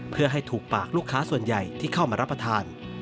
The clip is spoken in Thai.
เพื่อให้ถูกปากลูกค้าส่วนใหญ่ที่เข้ามารับประทาน